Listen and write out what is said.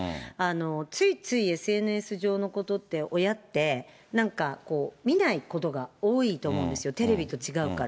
ついついＳＮＳ上のことって、親ってなんかこう、見ないことが多いと思うんですよ、テレビと違うから。